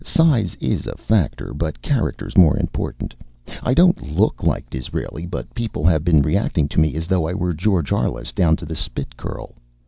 Size is a factor, but character's more important. I don't look like Disraeli, but people have been reacting to me as though I were George Arliss down to the spit curl.